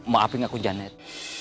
maafin aku janet